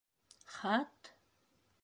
Хат?!